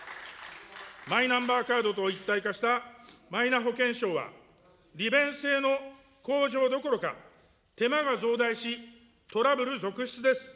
マイナンバーカードと一体化したマイナ保険証は、利便性の向上どころか、手間が増大し、トラブル続出です。